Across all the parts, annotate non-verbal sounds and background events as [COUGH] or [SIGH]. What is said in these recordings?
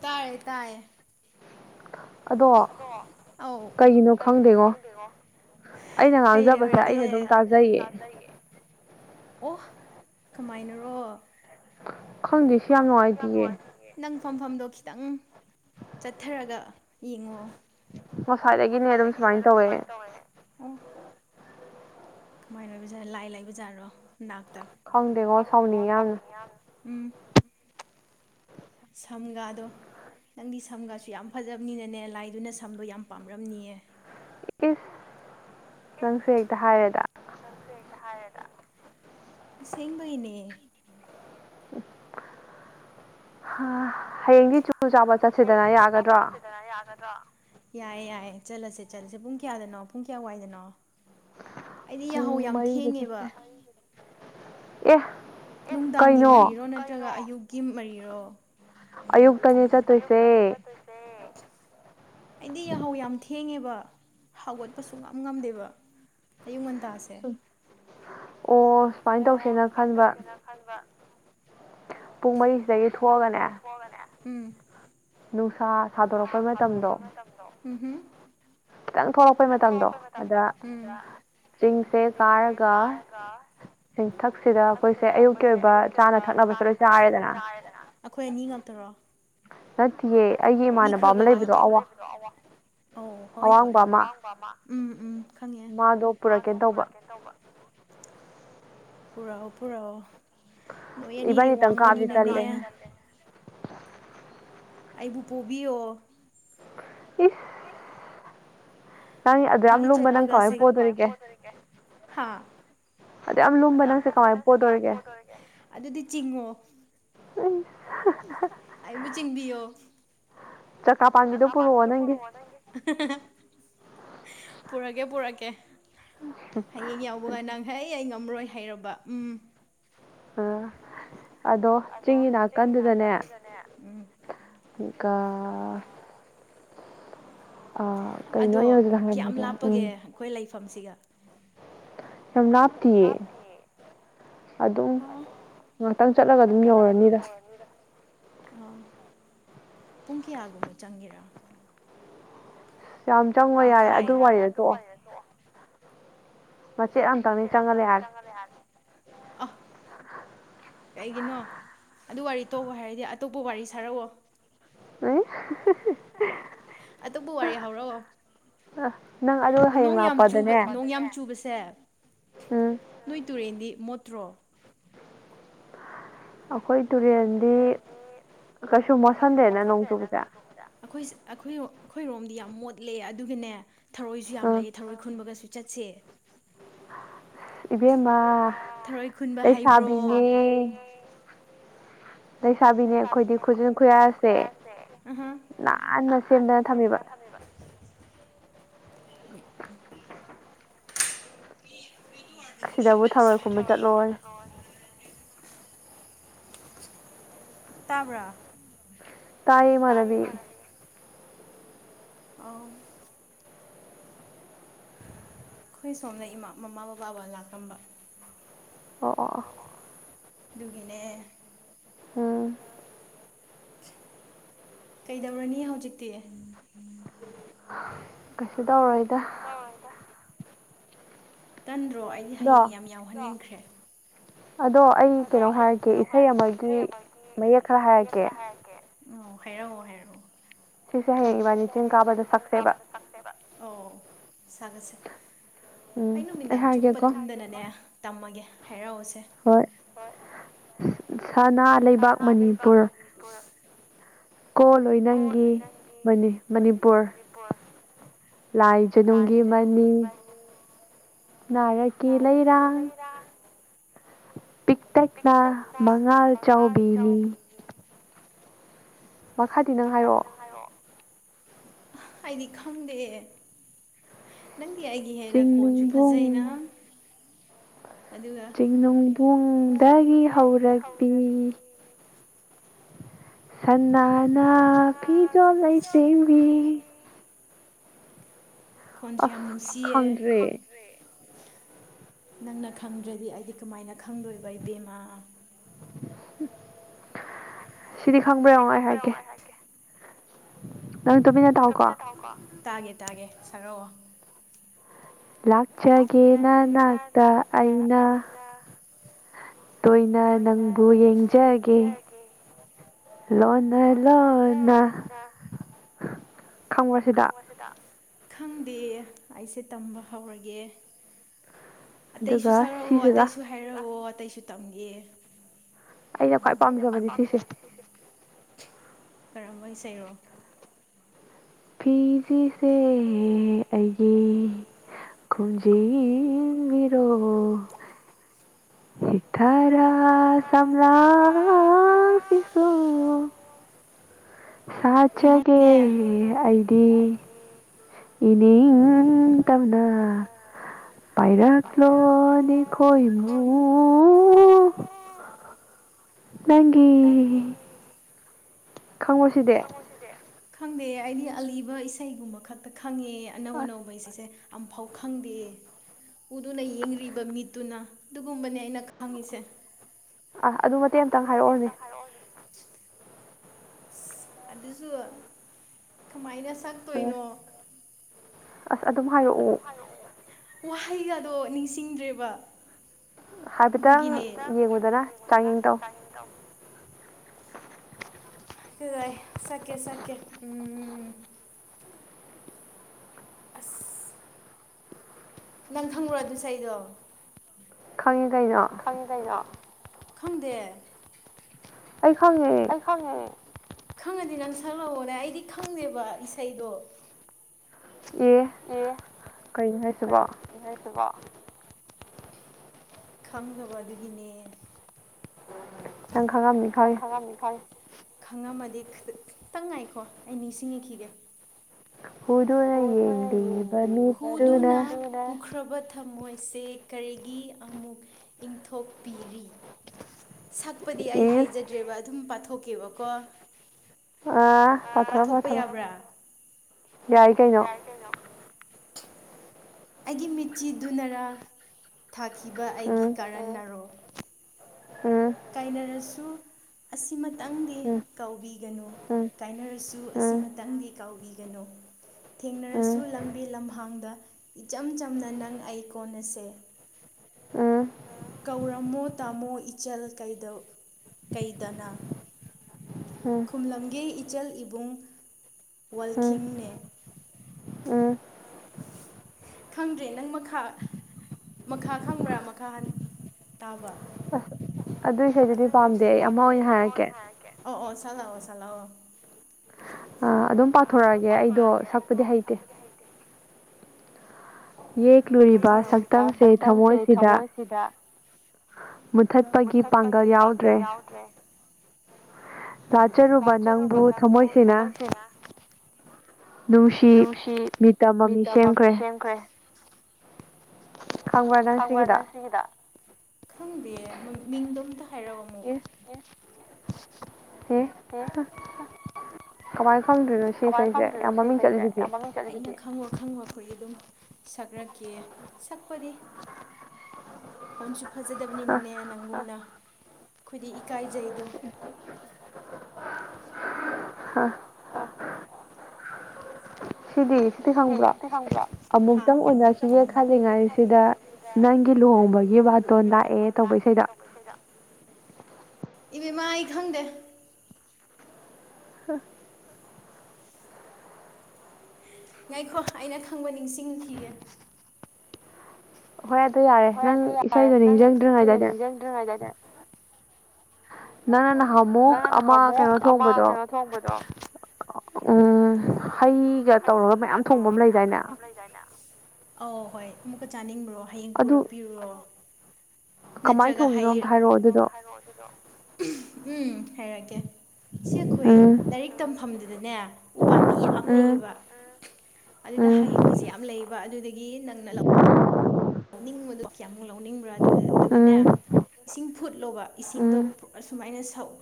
ꯇꯥꯑꯦ ꯇꯥꯌꯦꯦ ꯑꯗꯣ ꯑ ꯀꯩꯒꯤꯅꯣ ꯈꯪꯗꯦꯀꯣ ꯑꯩꯅ ꯉꯥꯡꯖꯕꯁꯦ ꯑꯩꯅ ꯑꯗꯨꯝ ꯇꯥꯖꯩꯌꯦ ꯑꯣ ꯀꯃꯥꯏꯅꯔꯣ ꯈꯪꯗꯦ ꯁꯤ ꯌꯥꯝ ꯅꯨꯡꯉꯥꯏꯇꯌꯦ ꯐꯝꯐꯝꯗꯣ ꯈꯤꯇꯪ ꯆꯠꯊꯔꯒ ꯌꯦꯡꯉꯣ ꯉꯁꯥꯏꯗꯒꯤꯅꯦ ꯑꯗꯨꯝ ꯁꯨꯃꯥꯏꯅ ꯇꯧꯋꯦ ꯀꯃꯥꯏꯅ ꯑꯣꯏꯕꯖꯥꯠꯔꯣ ꯂꯥꯏ ꯂ ꯂꯩꯕꯖꯥꯠꯔꯣ ꯅꯥ ꯈꯥꯎꯗ ꯍꯣ ꯁꯥꯎꯅꯤꯅ ꯎꯝ ꯁꯝꯒꯥꯗꯣ ꯅꯪꯗꯤ ꯁꯝꯒꯁꯨ ꯌꯥꯝ ꯐꯖꯕꯅꯤꯅꯅꯦ ꯂꯥꯏꯗꯨꯅ ꯁꯝꯗꯣ ꯌꯥꯝ ꯄꯥꯝꯔꯝꯅꯤꯑ ꯏꯁ ꯅꯪꯁꯨ ꯍꯦꯛꯇ ꯍꯥꯏꯔꯦꯗ ꯑꯁꯦꯡꯗꯏꯅꯦ ꯎꯝ ꯍꯌꯦꯡꯗꯤ ꯆꯨ ꯆꯥꯕ ꯆꯠꯁꯤꯗꯅ ꯌꯥꯒꯗ꯭ꯔꯣ ꯌꯥꯏꯌꯦ ꯌꯥꯏꯌꯦ ꯆꯠꯂꯁꯦ ꯆꯠꯂꯁꯦ ꯄꯨꯡ ꯀꯌꯥꯗꯅꯣ ꯄꯨꯡ ꯀꯌꯥ ꯋꯥꯋꯥꯏꯗꯅꯣ ꯄꯨꯡ ꯃꯔꯤꯗ ꯆꯠꯁꯦ ꯑꯦ ꯅꯨꯡꯗꯥꯡꯒꯤ ꯃꯔꯤꯔꯣ ꯅꯠꯇ꯭ꯔꯒ ꯑꯌꯨꯛꯀꯤ ꯃꯔꯤꯔꯣ ꯑꯌꯨꯛꯇꯅꯦ ꯆ ꯑꯌꯨꯛꯇ ꯆꯠꯇꯣꯏꯁꯦ ꯑꯩꯗꯤ ꯌꯥꯍꯧ ꯌꯥꯝ ꯊꯦꯡꯉꯦꯕ ꯍꯧꯒꯠꯄꯁꯨ ꯉ ꯉꯝꯗꯦꯕ ꯑꯌꯨ ꯉ ꯁꯨꯝ ꯑꯣ ꯁꯨꯃꯥꯏꯅ ꯇꯧꯁꯦꯅ ꯈꯟꯕ ꯄꯨꯡ ꯃꯔꯤꯁꯤꯗꯒꯤ ꯊꯣꯛꯑꯒꯅꯦ ꯎꯝ ꯅꯨꯡꯁꯥ ꯁꯥꯗꯣꯔꯛꯄꯩ ꯃꯇꯝꯗꯣ ꯊꯣꯛꯂꯛꯄꯩ ꯃꯇꯝꯗꯣ ꯑꯗ ꯆꯤꯡꯁꯦ ꯀꯥꯔꯒ ꯆꯤꯡꯊꯛꯁꯤꯗ ꯑꯩꯈꯣꯏꯁꯦ ꯑꯌꯨꯛꯀꯤ ꯑꯣꯏꯕ ꯆꯥꯅ ꯊꯛꯅꯕꯁꯦ ꯂꯣꯏ ꯆꯥꯔꯦꯗꯅ ꯅꯠꯇꯦꯌꯦ ꯑꯩꯒꯤ ꯏꯃꯥꯟꯅꯕ ꯑꯃ ꯂꯩꯕꯗꯣ ꯑꯋꯥ ꯑꯋꯥꯡꯕ ꯑꯋꯥꯡꯕ ꯑꯃ ꯎꯝ ꯎꯝ ꯎꯝ ꯈꯪꯉꯦ ꯃꯥꯗꯣ ꯄꯨꯔꯛꯀꯦ ꯇꯧꯕ ꯄꯨꯔꯛꯑꯣ ꯄꯨꯔꯛꯑꯣ ꯅꯣꯏ ꯑꯅꯤꯗꯤ ꯋꯥꯡꯕꯅꯤꯅꯅꯦ ꯑꯩꯕꯨ ꯄꯣꯕꯤꯌꯣ ꯏ ꯑ ꯆꯠꯇꯒꯁꯤ ꯍꯥ ꯑꯗꯨ ꯌꯥꯝ ꯂꯨꯝꯕ ꯅꯪꯁ ꯀꯥꯎꯋꯦ ꯄꯣꯔ ꯑꯣꯏꯔꯦ ꯑꯗꯨꯗꯤ ꯆꯤꯡꯉꯣ ꯑꯩꯕꯨ ꯆꯤꯡꯕꯤꯣ ꯆꯠꯇꯥ ꯄꯕꯤꯗ ꯄꯔ ꯋꯥꯗꯡꯒꯦ ꯄꯨꯔꯛꯀꯦ ꯄꯨꯔꯛꯑꯀꯦ ꯍꯌꯦꯡ ꯌꯥꯎꯕꯒ ꯅꯪ ꯍ ꯑꯩ ꯉꯦ ꯝꯔꯣꯏ ꯍꯥꯏꯔꯕ ꯎꯝ ꯑ ꯑꯗꯣ ꯆꯤꯡꯒꯤ ꯅꯥꯀꯟꯗꯨꯗꯅꯦ ꯏꯀ ꯑ ꯀꯩꯅꯣ ꯑꯣꯏ ꯍꯧꯖꯤꯗ ꯍꯥꯏꯔꯝꯕꯗꯣ ꯎꯝ ꯃꯐꯝꯁꯤꯒ ꯌꯥꯝ ꯅꯇꯌꯦ ꯑꯗꯨꯝ ꯉꯥꯛꯇꯪ ꯆꯠꯂꯒ ꯑꯗꯨꯝ ꯌꯧꯔꯅꯤꯗ ꯑꯥ ꯄꯨꯡ ꯀꯌꯥꯒꯨꯝꯕ ꯆꯪꯒꯦꯔꯥ ꯌꯥꯝ ꯆꯪꯕ ꯌꯥꯔꯦ ꯑꯗꯨ ꯋꯥꯔꯤꯏ ꯑꯗꯣ ꯃꯁ ꯑ ꯇꯅꯤ ꯆꯪꯉꯂꯦ ꯍꯥꯏꯔ ꯀꯩꯒꯤꯅꯣ ꯑꯗꯨ ꯋꯥꯔꯤ ꯇꯣꯑꯣ ꯍꯥꯏꯔꯗꯤ ꯑꯇꯣꯞꯄ ꯋꯥꯔꯤ ꯁꯥꯔꯛꯑꯣ ꯑ ꯑꯗꯨꯕꯨ ꯋꯥꯔꯤ ꯍꯧꯔꯣ ꯅꯣꯡ ꯌꯥꯝ ꯆꯨꯕ ꯅꯣꯡ ꯌꯥꯝ ꯆꯨꯕꯁꯦ ꯅꯣꯏ ꯇꯨꯔꯦꯟꯗꯤ ꯃꯣꯇ꯭ꯔꯣ ꯑꯩꯈꯣꯏ ꯇꯨꯔꯦꯟꯗꯤ ꯀꯩꯁꯨ ꯃꯣꯠꯁꯤꯟꯗꯦꯅ ꯅꯣꯡꯆꯨꯕꯁꯦ ꯑꯩꯈꯣꯏꯣ ꯑꯩꯈꯣꯏꯔꯣꯝꯗꯤ ꯌꯥꯝ ꯃꯣꯠꯂꯦ ꯑꯗꯨꯒꯤꯅꯦ ꯊꯔꯣꯏꯁꯨ ꯌꯥꯝ ꯂꯩꯑ ꯊꯔꯣꯏ ꯈꯨꯟꯕꯒꯁꯨ ꯆꯠꯁꯦ ꯏꯕꯦꯝꯃ ꯂꯩ ꯁꯕꯤꯅꯦ ꯂꯩꯁꯥꯕꯤꯅꯦ ꯑꯩꯈꯣꯏꯗꯤ ꯈꯨꯁꯨ ꯈꯨꯌꯥꯁꯦ ꯅꯥꯟꯅ ꯁꯦꯝꯗꯅ ꯊꯝꯃꯤꯕ [INAUDIBLE] [INAUDIBLE] ꯕꯨ ꯊꯄ ꯃꯆꯥ ꯇꯕ꯭ꯔ ꯇꯥꯏ ꯃꯅꯕꯤ ꯑ ꯑꯩꯈꯣꯏ ꯁꯣꯝꯅ ꯏꯃꯥ ꯃꯃꯥ ꯕꯕꯥꯕꯨ ꯂꯥꯛꯂꯝꯝꯕ ꯑꯣ ꯑꯣ ꯑꯗꯨꯒꯤꯅꯦ ꯀꯩꯗꯧꯔꯅꯤ ꯍꯧꯖꯤꯛꯇꯤ ꯀꯩꯁꯨ ꯇꯧꯔꯣꯏꯗ ꯇꯟꯗ꯭ꯔꯣ ꯑꯩꯗꯤ ꯍꯌꯦꯡ ꯌꯥꯝ ꯌꯥꯎꯍꯟꯅꯤꯡꯈ꯭ꯔꯦ ꯑꯗꯣ ꯑꯩ ꯀꯩꯅꯣ ꯍꯥꯏꯔꯛꯀꯦ ꯏꯁꯩ ꯑꯃꯒꯤ ꯃꯌꯦꯛ ꯈꯔ ꯍꯥꯏꯔꯛꯀꯦ ꯍꯥꯏꯔꯛꯑꯣ ꯍꯥꯏꯔꯛꯑꯣ ꯁꯤꯁꯦ ꯍꯌꯦꯡ ꯏꯕꯥꯅꯤ ꯆꯤꯡ ꯀꯥꯕꯗ ꯁꯛꯁꯦꯕ ꯁꯥꯒꯠꯁꯦ ꯑꯩ ꯅꯨꯃꯤꯗꯥꯡ ꯆꯨꯞꯄ ꯇꯨꯝꯗꯅꯅꯦ ꯇꯝꯃꯒꯦ ꯍꯥꯏꯔꯛꯑꯣꯁꯦ ꯍꯣꯏ ꯁꯅꯥ ꯂꯩꯕꯥꯛ ꯃꯅꯤꯄꯨꯔ ꯀꯣ ꯂꯣꯏ ꯅꯪꯒꯤ ꯃꯅꯤꯄꯨꯔ ꯂꯥꯏꯖꯅꯨꯡꯒꯤ ꯃꯅꯤ ꯅꯥꯔ ꯀ ꯂꯩꯔꯥꯡ ꯄꯤꯛꯇꯛꯅ ꯃꯉꯥꯜ ꯆꯥꯎꯕꯤꯅꯤ ꯃꯈꯥꯗꯤ ꯅꯪ ꯍꯥꯏꯔꯛꯑꯣ ꯑꯩꯗꯤ ꯈꯪꯗꯦ ꯅꯪ ꯑꯩꯗꯤ ꯑꯩꯒꯤ ꯍꯦꯟꯅ ꯀꯣꯟꯁꯦ ꯐꯖꯩꯅ ꯆꯤꯡꯅꯨꯡꯕꯨꯡꯗꯒꯤ ꯍꯧꯔꯛꯄꯤ ꯁꯟꯅꯅ ꯐꯤꯖꯣ ꯂꯩ ꯇꯕꯤ ꯑꯐ ꯈꯪꯗ꯭ꯔꯦ ꯅꯪꯅ ꯈꯪꯗ꯭ꯔꯗꯤ ꯑꯩꯗꯤ ꯀꯃꯥꯏꯅ ꯈꯪꯗꯣꯏꯕ ꯑꯩꯕꯦꯝꯃꯥ ꯁꯤꯗꯤ ꯈꯪꯕ꯭ꯔꯔꯥꯏ ꯍꯥꯏꯒꯦ ꯇꯥꯒꯦ ꯇꯥꯒꯦ ꯁꯥꯔꯛꯑꯣ ꯂꯥꯛꯆꯒꯦ ꯅꯅꯥꯛꯇ ꯑꯩꯅ ꯇꯣꯏꯅ ꯅꯪꯕꯨ ꯌꯦꯡꯖꯔꯒꯦ ꯂꯅ ꯈꯪꯈ꯭ꯔꯁꯤꯗ ꯈꯪꯗꯦ ꯑꯩꯁꯦ ꯇꯝꯕ ꯍꯧꯔꯒꯦ ꯑꯇꯩꯁꯨ ꯁꯛꯔꯛꯑꯣ ꯑꯇꯩꯁꯨ ꯍꯥꯏꯔꯛꯑꯣ ꯑꯇꯩꯁꯨ ꯇꯝꯒꯦ ꯑꯩꯅ ꯈ꯭ꯋꯥꯏ ꯄꯥꯝꯖꯕꯅꯦ ꯁꯤꯁꯦ ꯀꯔꯝꯕꯩ ꯁꯔꯣ ꯐꯤꯖꯤꯁꯦ ꯑꯌꯦ ꯈꯨꯖꯕꯤꯔꯣ ꯍ ꯈꯔ ꯁ꯭ꯔꯥ ꯁꯨꯣ ꯁꯥꯆꯒꯦ ꯑꯩꯗꯤ ꯏꯅꯦ ꯇꯝꯅ ꯄꯥꯏꯔ ꯂꯅꯤꯈꯣꯏꯃꯨ ꯅꯪꯒꯤꯦ ꯈꯪꯉꯨ ꯁꯤꯗꯤ ꯈꯪꯗꯦ ꯑꯩꯗꯤ ꯑꯂꯤꯕ ꯏꯁꯩꯒꯨꯝꯕ ꯈꯛꯇ ꯈꯪꯉꯦ ꯑꯅꯧ ꯑꯅꯧꯕꯁꯤꯁꯦ ꯑꯃꯝꯐꯥꯎ ꯈꯪꯗꯦ ꯎꯗꯨꯅ ꯌꯦꯡꯔꯤꯕ ꯃꯤꯠꯇꯨꯅ ꯑꯗꯨꯒꯨꯝꯕꯅꯦ ꯑꯩꯅ ꯈꯪꯉꯤꯁꯦ ꯑꯥ ꯑꯗꯨ ꯃꯇꯦꯛ ꯑꯃꯇꯪ ꯍꯥꯏꯔꯛꯑꯣꯅꯦ ꯑꯗꯨꯁꯨ ꯀꯃꯥꯏꯅ ꯁꯛꯇꯣꯏꯅꯣ ꯋꯥꯍꯩꯒꯗꯣ ꯅꯤꯡꯁꯤꯡꯗ꯭ꯔꯦꯕ ꯍꯥꯏꯐꯦꯠꯇꯪ ꯌꯦꯡꯉꯨꯗꯅ ꯆꯥꯡꯌꯦꯡ ꯇꯧ ꯀꯥꯏ ꯁꯀꯦ ꯁꯀꯦ ꯎꯝ ꯑꯁ ꯅꯪ ꯈꯪꯕꯣ ꯑꯗꯨꯁ ꯑꯩꯗꯣ ꯈꯪꯉꯤ ꯀꯩꯅꯣ ꯈꯪꯗꯦ ꯑꯩ ꯈꯉꯦ ꯈꯪꯉꯅꯤ ꯉꯪ ꯁꯛꯂꯛꯑꯣꯅꯦ ꯑꯩꯗꯤ ꯈꯪꯅꯦꯦꯕ ꯏꯁꯩꯗꯣ ꯑꯦ ꯀꯔꯤ ꯍꯥꯏꯁꯤꯕꯣ ꯈꯪꯗꯕ ꯑꯗꯨꯒꯤꯅꯦ ꯌꯥꯪ ꯈꯪꯉꯝꯃꯤ ꯈꯔ ꯈꯪꯉꯝꯃꯗꯤ ꯈꯤꯇꯪ ꯉꯥꯏꯈꯣ ꯑꯩ ꯅꯤꯡꯁꯤꯡꯉꯈꯤꯒꯦ ꯄꯨꯗꯨꯅ ꯌꯦꯗꯤꯕꯅꯤꯠꯇꯨꯅ ꯊꯝꯃꯣꯏꯁꯦ ꯀꯔꯤꯒꯤ ꯑꯃꯨꯛ ꯏꯪꯊꯣꯛꯄꯤꯔꯤ ꯁꯛꯄꯗꯤ ꯑꯩ ꯍꯥꯏꯖꯗ꯭ꯔꯦꯕ ꯑꯗꯨꯝ ꯄꯥꯊꯣꯛꯀꯦꯕꯀꯣ ꯑꯥ ꯄꯊꯕ ꯄꯊꯕ ꯌꯥꯏ ꯌꯥꯏꯇꯩꯅꯣ ꯑꯩꯒꯤ ꯃꯤꯠꯆꯤꯗꯨꯅꯔꯥ ꯊꯥꯈꯤꯕ ꯑꯩꯒꯤ ꯀꯔꯅꯔꯣ ꯀꯥꯏꯅꯔꯁꯨ ꯑꯁꯤꯃꯇꯪꯗꯤ ꯀꯥꯎꯕꯤꯒꯅꯨ ꯀꯥꯏꯅꯔꯁꯨ ꯑꯁꯤꯃꯇꯪꯗꯤ ꯀꯥꯎꯕꯤꯒꯅꯨ ꯊꯦꯡꯅꯔꯁꯨ ꯂꯝꯕꯤ ꯂꯝꯍꯥꯡꯗ ꯏꯆꯝ ꯆꯝꯅ ꯅꯪ ꯑꯩ ꯀꯣꯟꯅꯁꯦ [UNINTELLIGIBLE] ꯀꯧꯔꯝꯃꯣ ꯇꯥꯃꯣ ꯏꯆꯜ ꯀꯩꯗꯅ ꯈꯨꯝꯂꯝꯒꯤ ꯏꯆꯜ ꯏꯕꯨꯡ ꯋꯥꯜꯈꯤꯡꯅꯦ ꯈꯪꯗ꯭ꯔꯦ ꯅꯪ ꯃꯈꯥ ꯃꯈꯥ ꯈꯪꯕ꯭ꯔꯥ ꯃꯈꯥ ꯇꯥꯕ ꯑꯗꯨꯏꯈꯗꯨꯗꯤ ꯄꯥꯝꯗꯦ ꯑꯩ ꯑꯃ ꯑꯣꯏꯅ ꯍꯥꯏꯔꯛꯀꯦ ꯆꯂꯑꯣꯣ ꯆꯂꯑꯣ ꯑꯗꯨꯝ ꯄꯥꯎꯊꯣꯔꯛꯑꯒꯦ ꯑꯩꯗꯣ ꯁꯛꯄꯗꯤ ꯍꯩꯇꯦ ꯌꯦꯛꯂꯨꯔꯤꯕ ꯁꯛꯇꯝꯁꯦ ꯊꯃꯣꯏꯁꯤꯗ ꯃꯨꯠꯊꯠꯄꯒꯤ ꯄꯥꯡꯒꯜ ꯌꯥꯎꯗ꯭ꯔꯦ ꯆꯥꯆꯔꯨꯕ ꯅꯪꯕꯨ ꯊꯃꯣꯏꯁꯤꯅ ꯅꯨꯡꯁꯤ ꯃꯤꯇꯝꯃꯤ ꯁꯦꯝꯈ꯭ꯔꯦ ꯈꯪꯕꯔꯗꯪ ꯁꯤꯒꯤꯗ ꯈꯪꯗꯦ ꯃꯤꯡꯗꯣ ꯑꯝꯇ ꯍꯥꯏꯔꯕ ꯑꯃꯨꯛ ꯑꯦ ꯑꯦ ꯀꯃꯥꯏ ꯈꯪꯔꯔꯤꯅꯣ ꯁꯤꯦꯁ ꯍꯥꯏꯁꯦ ꯃꯤ ꯆ ꯈ ꯑꯩꯈꯣꯏꯗꯤ ꯑꯗꯨꯝ ꯁꯛꯔꯛꯀ ꯁꯛꯄꯗꯤ ꯈꯣꯟꯁꯨ ꯐꯖꯗꯕꯅꯤꯅꯅꯦ ꯅꯪꯉꯣꯟꯅ ꯈꯨꯗꯤ ꯏꯀꯥꯏꯖꯩꯗꯣ ꯍꯥ ꯍꯥ [UNINTELLIGIBLE] ꯁꯤꯗꯤ ꯁꯤꯗꯤ ꯈꯪꯕ꯭ꯔꯣ ꯑꯃꯨꯛꯇꯪ ꯑꯣꯏꯅ ꯁꯤꯒꯦ ꯈꯜꯂꯤꯉꯥꯏꯁꯤꯗ ꯅꯪꯒꯤꯨ ꯅꯪꯒꯤ ꯂꯨꯍꯣꯡꯕꯒꯤ ꯕꯥꯠꯇꯣ ꯂꯥꯛꯑꯦ ꯇꯧꯕꯩꯁꯤꯗ [UNINTELLIGIBLE] ꯏꯕꯦꯝꯃꯥ ꯑꯩ ꯈꯪꯗꯦ ꯉꯥꯏꯈꯣ ꯑꯩꯅ ꯈꯪꯕ ꯅꯤꯡꯁꯤꯡꯈꯤꯌꯦ ꯍꯣꯏ ꯑꯗꯨ ꯌꯥꯔꯦ ꯅꯪ ꯏꯁꯩꯗꯣ ꯅꯤꯡꯁꯤꯡꯗ꯭ꯔꯤꯉꯩꯗꯥꯋꯥꯏꯗ ꯅꯪꯅ ꯅꯍꯥꯟ ꯑꯃꯨꯛ ꯑꯃ ꯀꯩꯅꯣ ꯊꯣꯡꯕꯗꯣ ꯎꯝ ꯍꯩꯒ ꯑ ꯍꯣꯏ ꯑꯃꯨꯛ ꯆꯥꯅꯤꯡꯕ ꯑꯣ ꯍꯌꯦꯡ ꯄꯨꯔꯛꯄꯤꯔꯣꯑꯣ ꯅꯠꯇ꯭ꯔꯒ ꯍꯥꯏ ꯎꯝ ꯍꯥꯏꯔꯛꯀꯦ ꯁꯤ ꯑꯩꯈꯣꯏ ꯂꯥꯏꯔꯤꯛ ꯇꯝꯐꯝꯗꯨꯗꯅꯦ ꯎꯄꯥꯥꯝꯕꯤ ꯌꯥꯝ ꯂꯩꯌꯦꯕ ꯑꯗꯨꯗ ꯍꯩ ꯈꯣꯏꯁꯦ ꯌꯥꯝ ꯂꯩꯕ ꯑꯗꯨꯗꯒꯤ ꯅꯪꯅ ꯂꯧ ꯂꯧꯅꯤꯡꯕꯗꯨꯣ ꯀꯌꯥꯃꯨꯛ ꯂꯧꯅꯤꯡꯕ꯭ꯔꯥ ꯑꯗꯨꯗ ꯑꯗꯨꯒꯅꯦ ꯏꯁꯤꯡ ꯐꯨꯠꯂꯨꯕ ꯏꯁꯤꯡꯗꯣ ꯑ ꯁꯨꯃꯥꯏꯅ ꯁꯛꯎ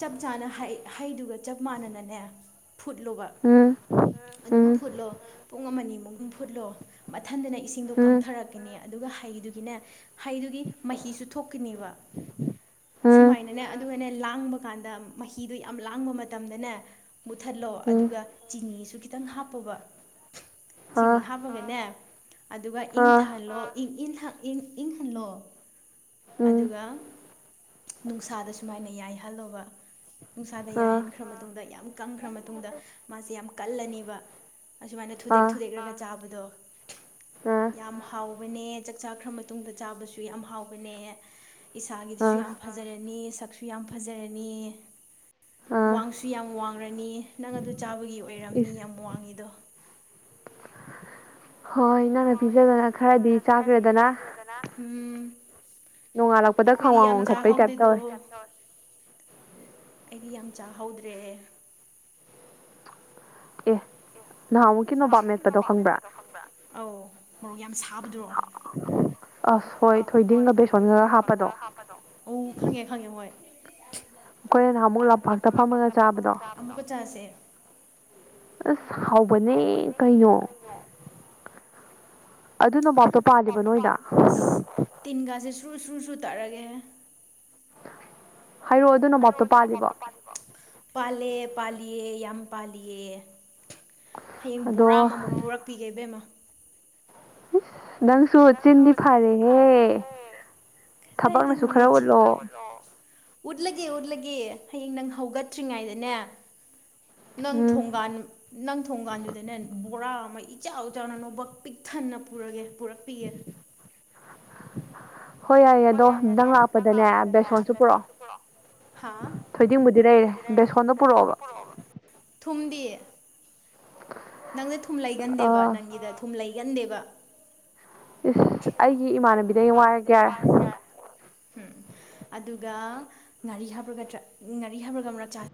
ꯆꯞ ꯆꯥꯅ ꯍꯩ ꯍꯩꯗꯨꯒ ꯆꯞ ꯃꯥꯟꯅꯅꯅꯦ ꯐꯨꯠꯂꯨꯕ ꯑꯗꯨꯝ ꯐꯨꯠꯂꯣ ꯄꯨꯡ ꯑꯃꯅꯤꯃꯨꯛ ꯐꯨꯠꯂꯣ ꯃꯊꯟꯗꯅ ꯏꯁꯤꯡꯗꯣ ꯀꯪꯊꯔꯛꯀꯅꯤ ꯑꯗꯨꯒ ꯍꯩꯗꯨꯒꯤꯅꯦ ꯍꯩꯗꯨꯒꯤ ꯃꯍꯤꯁꯨ ꯊꯣꯛꯀꯅꯦꯕ ꯁꯨꯃꯥꯏꯅꯅꯦ ꯑꯗꯨꯒꯅꯦ ꯂꯥꯡꯕ ꯀꯥꯟꯗ ꯃꯍꯤꯗꯣ ꯌꯥꯝ ꯂꯥꯡꯕ ꯃꯇꯝꯗꯅꯦ ꯃꯨꯠꯊꯠꯂꯣ ꯑꯗꯨꯒ ꯆꯤꯅꯤꯁꯨ ꯈꯤꯇꯪ ꯍꯥꯞ ꯍꯥꯞꯄ ꯁꯤꯅꯤ ꯍꯥꯞꯄꯒꯅꯦ ꯑꯗꯨꯒ ꯏꯪꯊꯍꯜꯂꯣ ꯏꯪ ꯏ ꯅꯨꯡꯁ ꯀꯍꯜꯂꯣꯕ ꯅꯨꯡꯁꯥꯗ ꯌꯥꯏꯍꯟꯈ꯭ꯔ ꯃꯇꯨꯡꯗ ꯌꯥꯝ ꯀꯪꯈ꯭ꯔ ꯃꯇꯨꯡꯗ ꯃꯥꯁꯦ ꯌꯥꯝ ꯀꯜꯂꯅꯦꯕ ꯑꯁꯨꯃꯥꯏꯅ ꯊꯨꯗꯦꯛ ꯊꯨꯗꯦꯛꯂꯒ ꯆꯥꯕꯗꯣ [UNINTELLIGIBLE] ꯌꯥꯝ ꯍꯥꯎꯕꯅꯦ ꯆꯥꯛ ꯆꯥꯈ꯭ꯔ ꯃꯇꯨꯡꯗ ꯆꯥꯕꯁꯨ ꯌꯥꯝ ꯍꯥꯎꯕꯅꯦ ꯏꯁꯥꯒꯤꯗꯨꯁꯨ ꯌꯥꯝ ꯐꯖꯔꯅꯤ ꯁꯛꯁꯨ ꯌꯥꯝ ꯐꯖꯔꯅꯤ ꯋꯥꯡꯁꯨ ꯌꯥꯝ ꯋꯥꯡꯔꯅꯤ ꯅꯪ ꯑꯗꯨ ꯆꯥꯕꯒꯤ ꯑꯣꯏꯔꯝꯅꯤ ꯌꯥꯝ ꯋꯥꯡꯉꯤꯗꯣ ꯍꯣꯏ ꯅꯪꯅ ꯄꯤꯖꯗꯅ ꯈꯔꯗꯤ ꯆꯥꯈ꯭ꯔꯦꯗꯅ ꯅꯣꯡꯉꯥꯜꯂꯛꯄꯗ ꯈ꯭ꯋꯥꯡ ꯋꯥꯡꯈꯠꯄꯩ ꯇꯥꯏꯞ ꯇꯧꯋꯦ ꯑꯩꯗꯤ ꯌꯥꯝ ꯆꯥꯍꯧꯗ꯭ꯔꯦ ꯑꯦ ꯅꯍꯥꯃꯨꯛꯪꯕ ꯑ ꯃꯔꯣꯛ ꯌꯥꯝ ꯁꯥꯕꯗꯨꯔꯣ ꯑꯁ ꯍꯣꯏ ꯊꯣꯏꯗꯤꯟꯒ ꯄꯁꯣ ꯈ ꯍꯥꯞꯄꯗꯣ ꯎ ꯈꯪꯉꯦ ꯈꯪꯉꯦ ꯃꯣꯏ ꯑꯩꯈꯣꯏꯅ ꯅꯍꯥꯟ ꯑꯃꯨꯛ ꯂꯝꯄꯥꯛꯇ ꯐꯝꯃꯒ ꯆꯥꯕꯗꯣ ꯑꯁ ꯍꯥꯎꯕꯅꯦ ꯀꯩꯅꯣ ꯑꯗꯨ ꯅ ꯃꯥꯎꯇ ꯄꯥꯜꯂꯤꯕ ꯅꯣꯏꯗ ꯁꯨ ꯁꯨ ꯁꯨ ꯇꯥꯔꯒꯦ ꯍꯥꯏꯔ ꯄꯥ ꯄꯥ ꯌꯥꯝ ꯄꯥꯜꯂꯤꯌꯦ ꯍꯌꯦꯡ ꯕꯣꯔꯥ ꯑꯃꯃꯨꯛ ꯄꯨꯔꯛꯄꯤꯒꯦ ꯕꯦꯝꯃꯥ ꯅꯪꯁꯨꯆꯤꯟꯗꯤ ꯐꯔꯦꯍꯦ ꯇ ꯈꯔꯣ ꯎꯠꯂꯒꯦ ꯎꯠꯂꯒꯦ ꯍꯌꯦꯡ ꯅꯪ ꯍꯧꯒꯠꯇ꯭ꯔꯤꯉꯩꯗꯅꯦ ꯅꯪ ꯊꯣꯡꯒꯥꯟ ꯅꯪ ꯊꯣꯡꯒꯥꯟꯗꯨꯗꯅꯦ ꯕꯣꯔꯥ ꯑꯃ ꯏꯆꯥꯎ ꯆꯥꯎꯅ ꯅꯣꯕ ꯄꯤꯛꯊꯟꯅ ꯄꯨꯔꯒꯦ ꯄꯨꯔꯛꯄꯤꯌꯦꯦ ꯍꯣꯏ ꯌꯥꯏꯌꯦ ꯑꯗꯣ ꯅꯪ ꯂꯥꯛꯄꯗꯅꯦ ꯕꯦꯁꯣꯟꯁꯨ ꯄꯨꯔꯛꯑꯣ ꯍꯥꯕꯨꯗꯤ ꯂꯩꯔꯦꯛꯑꯣ ꯊꯨꯝꯗꯤꯌꯦ ꯅꯪꯗ ꯊꯨꯝ ꯂꯩꯒꯟꯗꯦꯕ ꯅꯪꯒꯤꯗ ꯊꯨꯝ ꯂꯩꯒꯟꯗꯦꯕ ꯏꯁ ꯑꯩꯒꯤ ꯏꯃꯥꯟꯅꯕꯤꯗ ꯑꯩ ꯋꯥꯏꯔꯒꯦ ꯎꯝ ꯑꯗꯨꯒ ꯉꯥꯔꯤ ꯍꯥꯕ꯭ꯔꯒꯗ꯭ꯔꯥ ꯉꯥꯔꯤ ꯍꯥꯕ꯭ꯔꯥꯒ ꯑꯃꯛ ꯆ